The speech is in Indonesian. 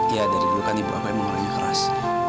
iya dari dulu kan ibu aku emang orangnya keras